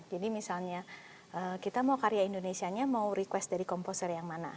jadi misalnya kita mau karya indonesia nya mau request dari komposer yang mana